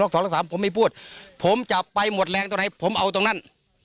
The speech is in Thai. ล็อกสองล็อกสามผมไม่พูดผมจะไปหมวดแรงตรงไหนผมเอาตรงนั้น